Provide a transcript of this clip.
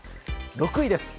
６位です。